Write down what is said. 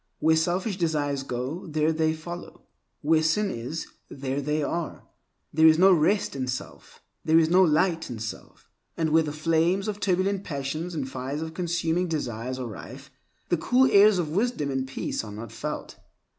Where selfish desires go, there they follow; where sin is, there they are. There is no rest in self; there is no light in self. And where the flames of turbulent passions and fires of consuming desires are rife, the cool airs of wisdom and peace are not felt.